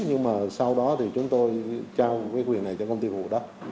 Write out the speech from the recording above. nhưng mà sau đó thì chúng tôi giao quyền này cho công ty phục vụ đất